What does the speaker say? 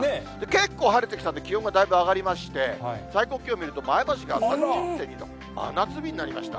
結構、晴れてきたんで気温がだいぶ上がりまして、最高気温見ると、前橋が３０．２度、真夏日になりました。